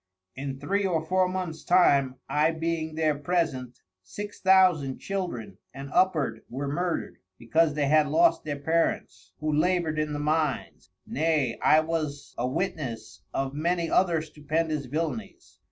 In Three or Four Months time I being there present, Six Thousand Children and upward were murder'd, because they had lost their Parents who labour'd in the Mines; nay I was a Witness of many other stupendous Villanies.